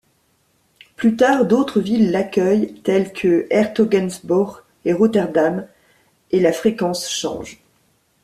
Plus tard, d'autres villes l'accueillent, telles que 's-Hertogenbosch et Rotterdam, et la fréquence change.